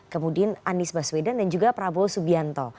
kemudian anies baswedan dan juga prabowo subianto